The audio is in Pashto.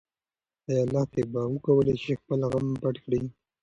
ايا لښتې به وکولی شي چې خپل غم پټ کړي؟